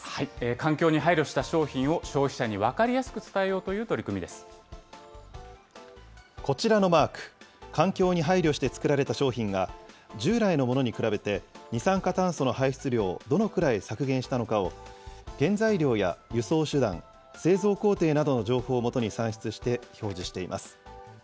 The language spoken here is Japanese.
環境に配慮した商品を消費者に分かりやすく伝えようという取こちらのマーク、環境に配慮して作られた商品が従来のものに比べて、二酸化炭素の排出量をどのくらい削減したのかを、原材料や輸送手段、製造工程などの情報をもとに算出して表示しています。